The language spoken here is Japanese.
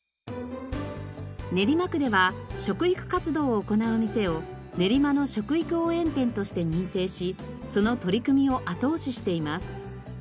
練馬区では食育活動を行う店をねりまの食育応援店として認定しその取り組みを後押ししています。